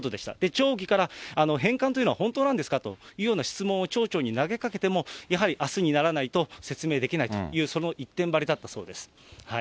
町議から返還というのは本当なんですかというような質問を町長に投げかけても、やはりあすにならないと説明できないと、その一点張りだったそうです。